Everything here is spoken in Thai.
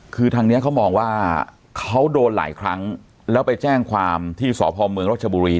คือทางนี้เขามองว่าเขาโดนหลายครั้งแล้วไปแจ้งความที่สพเมืองรัชบุรี